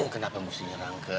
kenapa mesti nyerang ke